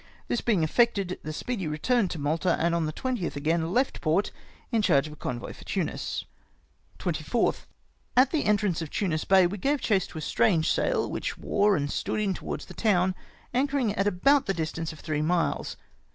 This bemg effected, the Speedy retm^ned to Malta, and on the 20th again left port in charge of a convoy for Tunis. 24th. — At the entrance of Tunis Bay we gave chase to a strange sail, wdiich wore and stood in towards the town, anchoring at ab( )ut the distance of three miles.